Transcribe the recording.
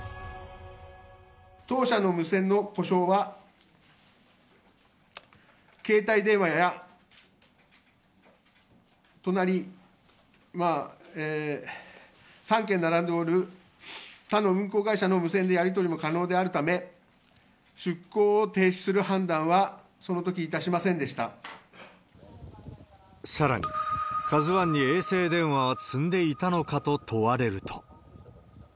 当社の無線の故障は携帯電話や隣３軒並んでおる他の運航会社の無線でやり取りも可能であるため、出航を停止する判断は、そのさらに、ＫＡＺＵＩに衛星電話は積んでいたのかと問われると。